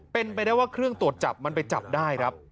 เป็นไปได้ว่าเครื่องตรวจจับมันไปจับได้ครับ